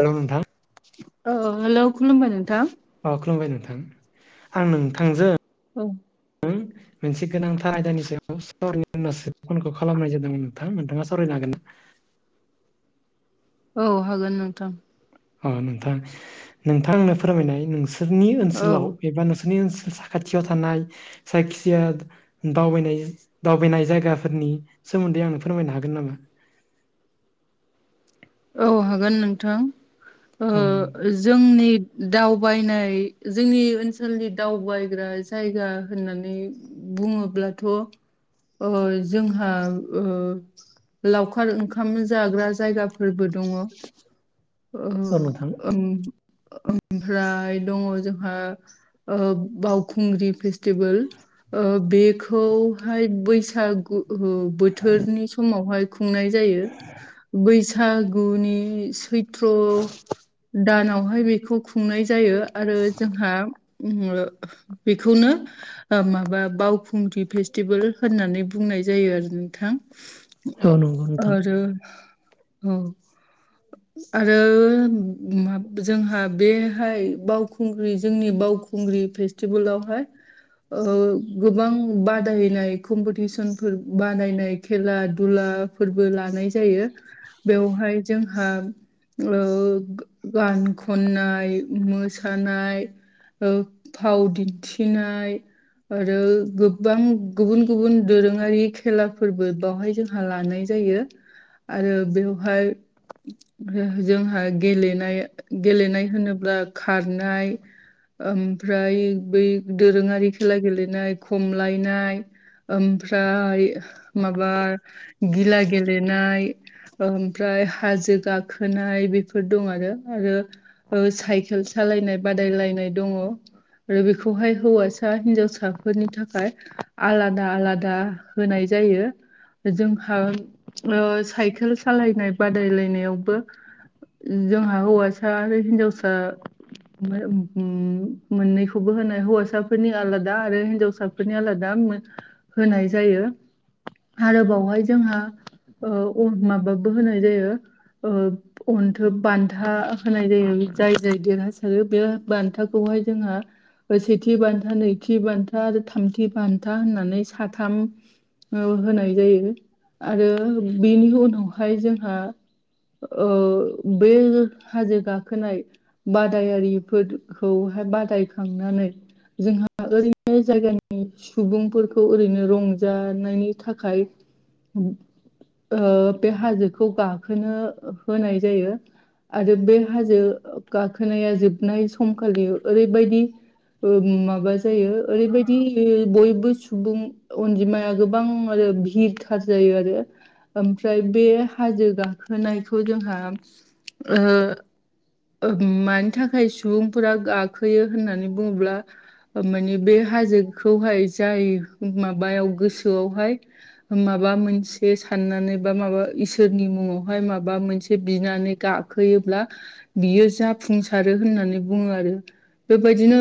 Hello नोंथां। औ hello खुलुमबाय नोंथां। अ खुलुमबाय नोंथां। आं नोंथांजों औ मोनसे गोनांथार आयदानि सायाव सावरायनो होन्नासो फनखो खालामनाय जादोंमोन नोंथां। नोंथाङा सावरायनो हागोन ना? औ हागोन नोंथां। अ नोंथां। नोंथां आंनो फोरमायनाय नोंसोरनि औ ओनसोलाव एबा नोंसोरनि ओनसोल सा खाथियाव थानाय जायखिया दावबायनाय दावबायनाय जायगाफोरनि सोमोन्दै आंनो फोरमायनो हागोन नामा? औ हागोन नोंथां। औ ओ जोंनि दावबायनाय जोंनि ओनसोलनि दावबायग्रा जायगा होननानै बुङोब्लाथ' जोंहा लावखार ओंखाम जाग्रा जायगा। फोरबो दङ औ नोंथां ओमफ्राय दङ जोंहा। बावखुंग्रि फेस्टिभेल बेखौहाय बैसागु बोथोरनि समावहाय खुंनाय जायो बैसागुनि सै सथ्र दानावहाय बेखौ खुंनाय जायो आरो जोंहा। बेखौनो माबा बाव फुंग्रि फेस्टिभेल होननानै बुंनाय जायो आरो नोंथां। औ नंगौ नोंथां आरो औ। आरो जोंहा बेहाय बावखुंग्रि जोंनि बावखुंग्रि फेस बाय गोबां बादायनाय कम्पिटिसनफोर बादायनाय खेला दुला फोरबो लानाय जायो बेवहाय जोंहा गान खननाय, मोसानाय फाव दिन्थिनाय। आरो गोबां गुबुन गुबुन दोरोङारि खेलाफोरबो बावहाय जों लानाय जायो आरो बेवहाय फ्राय जोंहा गेलेनाय गेलेनाय होनोब्ला खारनाय। ओमफ्राय बै दोरोङारि खेला गेलेनाय खमलायनाय। ओमफ्राय माबा गिला गेलेनाय ओमफ्राय हाजो गाखोनाय बेफोर दं आरो आरो साइकेल सालायनाय बादायलायनाय दङ। आरो बेखौहाय हौवासा हिन्जावसाफोरनि थाखाय। आलादा आलादा होनाय जायो। जोंहा साइकेल सालायनाय बादायलायनायावबो। जोंहा हौवासा आरो हिनजावसा मोननैखौबो होनाय हौवासाफोरनि आलादा आरो हिनजावसाफोर बेफोरनि आलादा होनाय जायो। आरो बावहाय जोंहा अ माबाबो होनाय जायो। ओ अन्थोब बान्था होनाय जायो जाय जाय देरहासारो बे बान्थाखौहाय जोंहा सेथि बान्था नैथि बान्था आरो थामथि बान्था होननानै साथाम। होनाय जायो आरो बेनि उनावहाय जोंहा बे हाजो गाखोनाय बादायारिफोरखौहाय बादायखांनानै जोंहा ओरैनो जायगानि सुबुंफोरखौ ओरैनो रंजानायनि थाखाय। बे हाजोखौ गाखोनो होनाय जायो। आरो बे हाजो गाखोनाया जोबनाय समखालि ओरैबायदि माबा जायो ओरैबायदि बयबो सुबुं अनजिमाया गोबां आरो भिरथार जायो आरो ओमफ्राय बे हाजो गाखोनायखौ जोंहा मानि थाखाय सुबुंफोरा गाखोयो होननानै बुङोब्ला माने बेयो हाजोखौहाय जाय माबायाव गोसोआवहाय। माबा मोनसे साननानै बा माबा इसोरनि मुङावहाय माबा मोनसे बिनानै गाब खोयोब्ला बियो जाफुंसारो होननानै बुङो आरो। बेबायदिनो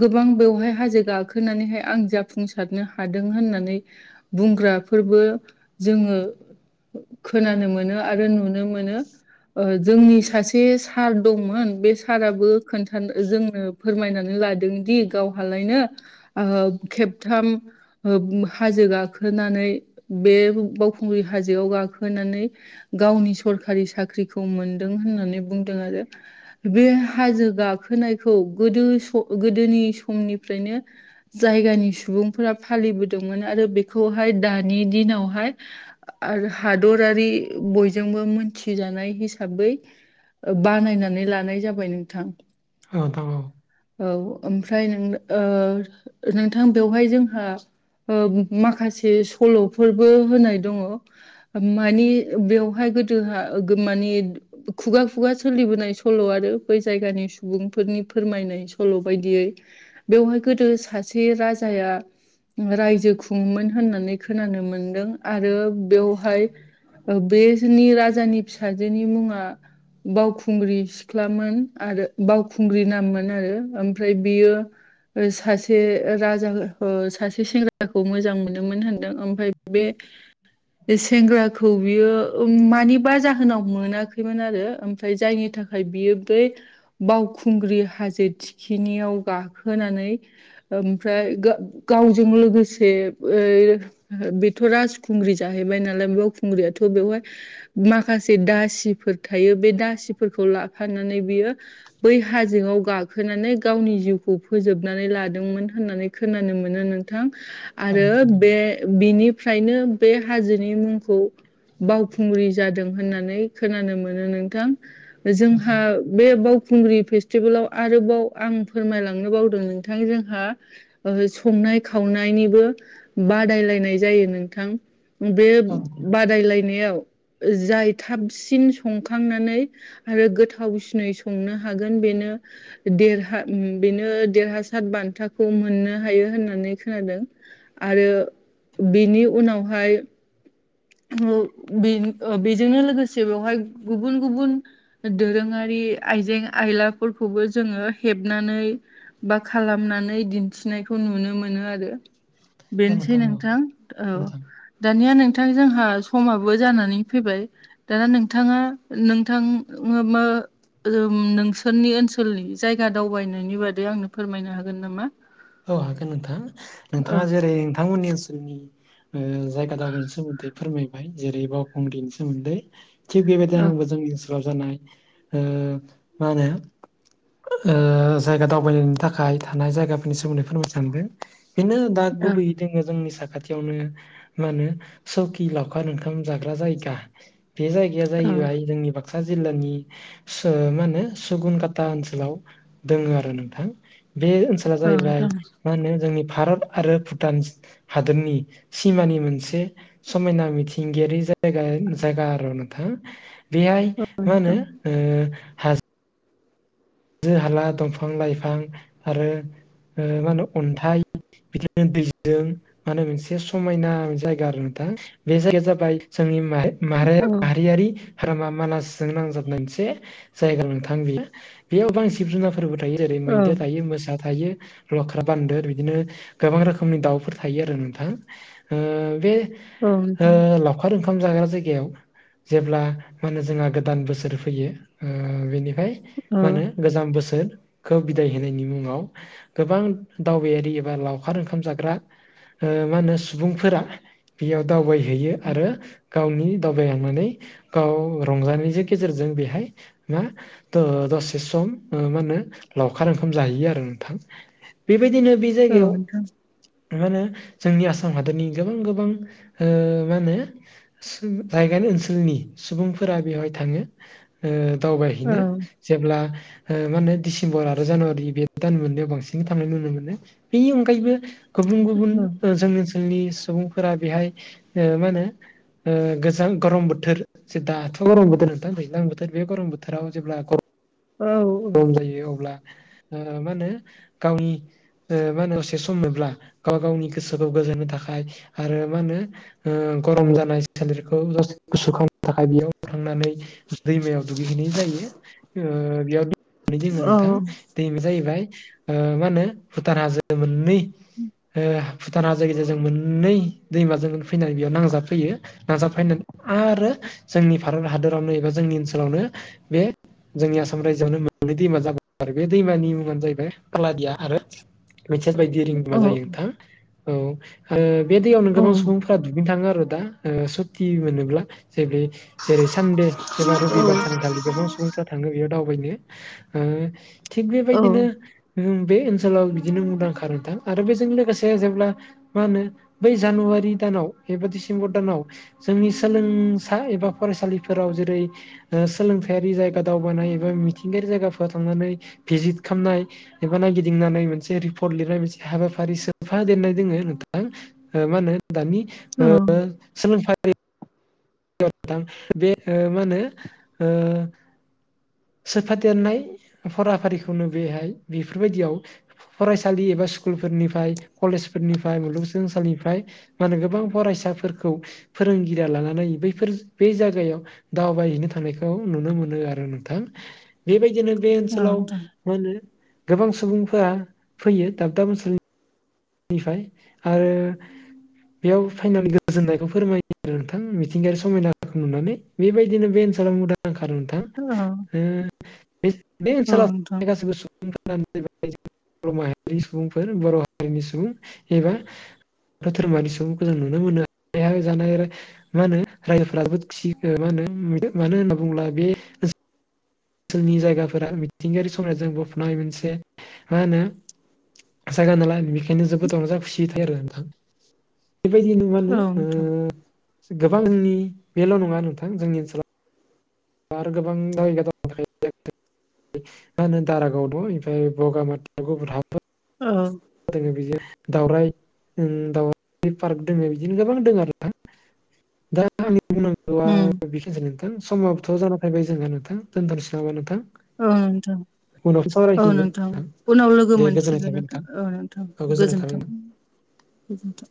गोबां बेवहाय हाजो गाखोनानैहाय आं जाफुंस थारनो हादों होननानै बुंग्राफोरबो जोङो खोनानो मोनो आरो नुनो मोनो जोंनि सासे सार दंमोन बे साराबो खोन्थानो जोंनो फोरमायनानै लादों दि गावहालायनो ओ खेबथाम ओ हाजो गाखोनानै बे बावखुंग्रि हाजोआव गाखोनानै गावनि सरखारि साख्रिखौ मोनदों होननानै बुंदों आरो बे हाजो गाखोनायखौ गोदो गोदोनि समनिफ्रायनो जायगानि सुबुंफोरा फालिबोदोंमोन आरो बेखौहाय दानि दिनावहाय [unintelligible] [unintelligible] [inaudible] आरो हादरारि बयजोंबो मोनथिजानाय हिसाबै बानायनानै लानाय जाबाय नोंथां। औ नोंथां औ औ ओमफ्राय नों ओ नोंथां बेवहाय जोंहा ओ माखासे सल'फोरबो होनाय दङ। माने बेवहाय गोदो हा माने खुगा खुगा सोलिबोनाय सल' आरो बै जायगानि सुबुंफोरनि फोरमायनाय सल' बायदियै बेवहाय गोदो सासे राजाया रायजो खुङोमोन होननानै खोनानो मोनदों। आरो बेवहाय ओ बेनि राजानि फिसाजोनि मुङा बावखुंग्रि सिख्लामोन आरो बावखुंग्रि नाम मोनो आरो ओमफ्राय बियो। ओ सासे राजा ओ सासे सेंग्राखौ मोजां मोनोमोन होनदों ओमफ्राय बे बे सेंग्राखौ बियो ओम मानिबा जाहोनाव मोनाखैमोन आरो ओमफ्राय जायनि थाखाय बियो बै बावखुंग्रि हाजो थिखिनियाव गाखोनानै ओमफ्राय गा गावजों लोगोसे ओ बेथ' राजखुंग्रि जाहैबाय नालाय बावखुंग्रियाथ' बेवहाय माखासे दासिफोर थायो बे दासिफोरखौ लाफानानै बियो बै हाजोआव गाखोनानै गावनि जिउखौ फोजोबनानै लादोंमोन होननानै खोनानो मोनो नों नोंथां औ आरो नोंथां औ बे बिनिफ्रायनो बे हाजोनि मुंखौ बावखुंग्रि जादों होननानै खोनानो मोनो नोंथां नोंथां जोंहा बे बावखुंग्रि फेस्टिभेलाव आरोबाव आं फोरमायलांनो बावदों नोंथां जोंहा ओ संनाय खावनायनिबो बादायलायनाय जायो नोंथां बे औ बादायलायनायाव जाय थाबसिन संखांनानै। आरो गोथावसिनै संनो हागोन बेनो देरहा बेनो देरहासाद बान्थाखौ मोननो हायो होननानै खोनादों। आरो बेनि उनावहाय ओ बे बेजोंनो लोगोसे बेवहाय गुबुन-गुबुन दोरोङारि आइजें आयलाफोरखौबो जोङो हेबनानै। बा खालामनानै दिन्थिनायखौ नुनो मोनो आरो। बेनोसै नोंथां औ। नोंथां दानिया नोंथां जोंहा समाबो जानानै फैबाय। दाना नोंथाङा नोंथां मो मा ओम नोंसोरनि ओनसोलनि जायगा दावबायनायनि बादै आंनो फोरमायनो हागोन नामा? औ हागोन नोंथां औ नोंथाङा जेरै नोंथांमोननि ओनसोलनि जायगा दावबायनायनि सोमोन्दै फोरमायबाय जेरै बावखुंग्रिनि सोमोन्दै। थिग औ बेबायदिनो आंबो जोंनि ओनसोलाव जानाय ओ मा होनो। ओ जायगा दावबायनायनि थाखाय थानाय जायगा। सोमोदै फोर सानदों बेनो दा औ गुबै जोङो जोंनि साखाथियावनो मा होनो सौकि लावखार ओंखाम जाग्रा जायगा। बे जायगाया औ जाहैबाय जोंनि बाग क्सा जिल्लानि सो मा होनो सुगुनकाटा ओनसोलाव दोङो आरो नोंथां बे ओनसोला औ जाहैबाय। नोंथां मा होनो जोंनि भारत आरो भुटान हादोरनि सिमानि मोनसे समायना मिथिंगायारि जायगा जायगा आरो नोंथां बेहाय औ मा होनो नोंथां हाजो हाला दंफां लाइफां आरो मा होनो अन्थाइ बिदिनो दैजों मा होनो मोनसे समायना जायगा आरो नोंथां बेजों बाय जिम औ माहारियारि हामा मानासजों नांजाबनाय मोनसे जायगा नोंथां बियो बेयाव बां जिब जुनार फोरबो थायो जेरै औ मैदेर थायो मोसा थायो। लख्रा बान्दर बिदिनो गोबां रोखोमनि दाउफोर थायो आरो नोंथां बे। औ ओ नोंथां लावखार ओंखाम जाग्रा जायगायाव जेब्ला मा होनो जोंहा गोदान बोसोर फैयो बेनिफ्राय औ मा होनो। गोजाम बोसोरखौ बिदाय होनायनि मुङाव गोबां दावबायारि एबा लावखार ओंखाम जाग्रा ओ मा होनो सुबुंफोरा बेयाव दावबायहैयो आरो। गावनि दावबायहांनानै गाव रंजानायनि गेजेरजों बेहाय मा [unintelligible] सम मा होनो लावखार ओंखाम जाहैयो आरो नोंथां बेबायदिनो औ जायगायाव नोंथां मा होनो जोंनि आसाम हादोरनि गोबां गोबां ओ मा होनो जायगानि ओनसोलनि सुबुंफोरा बेवहाय थाङो औ दावबायहैनो जेब्ला मा होनो दिसेम्बर आरो जानुवारि बे दान मोननायाव बांसिन थांनाय नुनो मोनो बेनि अनगायैबो गुबुन गुबुन औ जोंनि ओनसोंनि सुबुंफोरा बेहाय मा होनो गोजां गरम बोथोर जदाथ' गरम बोथोर नोंथां गोजां बोथोर बे गरम बोथोराव जेब्ला औ। खम जायो अब्ला मा होनो गावनि मा होनो दसे सम मोनोब्ला गाव गावनि गोसोखौ गोजोनो थाखाय आरो मा होनो। गरम जानाय सोलेरखौ जे गुसु खालामनो थाखाय बेयाव थांनानै दैमायाव दुगैहैनाय जायो ओ बेयाव। दोङो नोंथां दैमा जाहैबाय मा होनो भुटान हाजो मोननै भुटान हाजाय गेजेरजों मोननै दैमाजों फैनानै बेयाव नांजाबफैयो नाजाबफैनानै आरो जोंनि भारत हादरावनो एबा जोंनि ओनसोलावनो बे जोंनि आसाम रायजोआवनो मोनै दैमा जाबाय आरो बे दैमानि मुङानो जाहैबाय कलादिया आरो मेसेस बायदि रिं मा औ जायो नोंथां औ बे दैयावनो औ नोंथां गोबां सुबुंफोर दुगैनो थाङो आरो दा ओ सुति मोनोब्ला जे बे जेरै सानदे एबा रबिबार सानखालि गोबां सुबुंफ्रा थाङो बेयाव दावबायनो थिग बेबायदिनो बे ओनसोलाव बिदिनो मुंदांखाथार आरो बेजों लोगोसे जेब्ला मा होनो बै जानुवारि दानाव एबा डिसेम्बर दानाव जोंनि सोलोंसा एबा फरायसालिफोराव जेरै सोलोंथायारि जायगा दावबायानाय एबा मिथिंगायारि जायगाफोर थांनानै भिजिट खालामनाय एबा नायगिदिंनानै मोनसे रिपर्ट लिरनाय मोनसे हाबाफारि सोफ देरनाय दोङो नोंथां मा होनो दानि सोलों बे मा होनो सोफा देरनाय फराफारिखौनो बेहाय बेफोरबायदियाव फरायसालि एबा स्कुलफोरनिफ्राय कलेजफोरनिफ्राय मुलुगस सोलोंसालिनिफ्राय माने गोबां फरायसाफोरखौ फोरोंगिरिया लानानै बैफोर बे जागायाव दावबायहैनो थानायखौ नुनो मोनो आरो नोंथां बेबायदिनो बे ओनसोलाव मा होनो गोबां सुबुंफोरा फैयो दाब दाब ओनसोलनि निफ्राय आरो बेयाव फाइनालि गोजोननायखौ फोरमायो नोंथां मिथिंगायारि समायनाखौ नुनानै बेबायदिनो बे ओनसोलाव [unintelligible] नोंथां [unintelligible] बे नोंथां औ ओनसोलाव गासिबो सुबुं [unintelligible] बर' माहारि सुबुंफोर बर' हारिनि सुबुं एबा बाथौ धोरोमनि सुबुंखौ जों नुनो मोनो बे जानाय आरो मा होनो रायजोफोराबो थिग मा होनो मानो होनना बुङोब्ला बे जोंनि जायगाफोरा मिथिंगायारि समायनाजों बुंफबनाय मोनसे मा होनो जायगा नालाय बेनिखायनो जोबोद रंजा खुसि थायो आरो नोंथां बेबायदिनो नोंथां औ ओ गोबां जोंनि बेल नङा नोंथां जोंनि ओनसोलाव बा आरो [unintelligible] मा होनो दारागाव दं ओमफ्राय बगामाथि [unintelligible] ओं दङ बिदिनो दावराय दावराय पार्क दोङ बिदिनो गोबां दङो आरोना दा आंनि बुंनांगौआ उम बेखिनियानोसै नोंथां समथ जाना फैबाय जोहा नोंथां दोनथनोसै नामा नोंथां औ नोंथां उनाव औ सावरायफिनगोन नोंथां उनाव लोगो दे गोजोननाय मोनफिनगोन थाबाय नोंथां औ गोजोननाय थाबाय गोजोनथों गोजोनथों